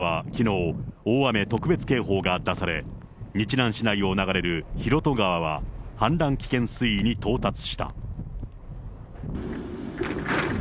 宮崎県ではきのう、大雨特別警報が出され、日南市内を流れる広渡川は氾濫危険水位に到達した。